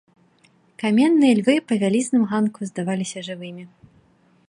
Каменныя львы па вялізным ганку здаваліся жывымі.